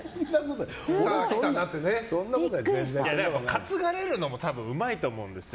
担がれるのも多分うまいと思うんですよ。